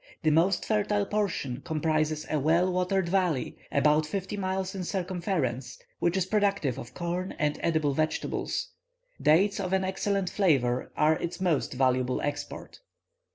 The most fertile portion comprises a well watered valley, about fifty miles in circumference, which is productive of corn and edible vegetables. Dates of an excellent flavour are its most valuable export.